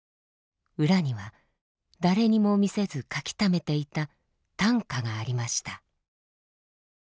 裏には誰にも見せず書きためていた短歌がありました。